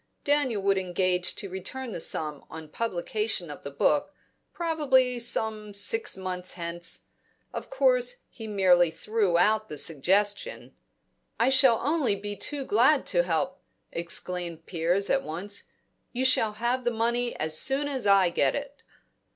Daniel would engage to return the sum on publication of the book, probably some six months hence. Of course he merely threw out the suggestion "I shall be only too glad to help," exclaimed Piers at once. "You shall have the money as soon as I get it."